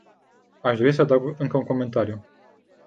Aș dori să adaug încă un comentariu.